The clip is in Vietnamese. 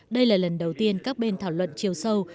đây là lần đầu tiên các bên thảo luận chiều sâu